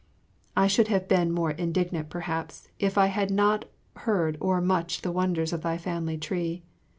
I should have been more indignant, perhaps, if I had not heard o'ermuch the wonders of thy family tree.